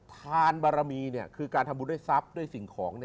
ทานบารมีคือการทำบุญด้วยทรัพย์ด้วยสิ่งของ